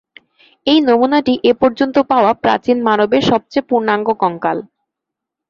এই নমুনাটি এ পর্যন্ত পাওয়া প্রাচীন মানবের সবচেয়ে পূর্ণাঙ্গ কঙ্কাল।